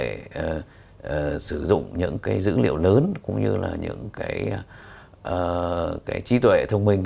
để sử dụng những cái dữ liệu lớn cũng như là những cái trí tuệ thông minh